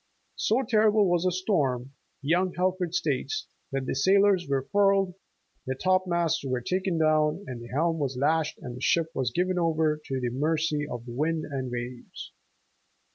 So terri ble was the storm, young Helffrich states, "that the sails were furled, the top masts were taken down, the helm was lashed and the ship was given over to the mercy of the wind and waves.